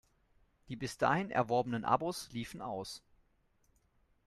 Die bis dahin erworbenen Abos liefen aus.